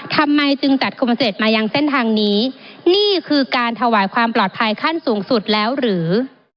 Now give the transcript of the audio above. ทำไมจึงจัดคอมเศษมายังเส้นทางนี้นี่คือการถวายความปลอดภัยขั้นสูงสุดแล้วหรือ